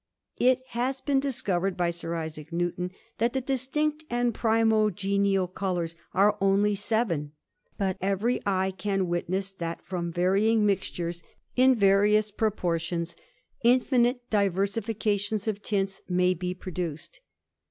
^^'t has been discovered by Sir Isaac Newton, that the ^^inct and primogenial colours are only seven \ but every ^^ can witness, that from various mixtures, in various 2 si THJ& ADVENTURER, proportions, infinite diversifications of tints may be p^j duced.